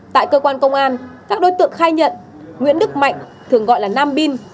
tại cơ quan công an các đối tượng khai nhận nguyễn đức mạnh thường gọi là nam bin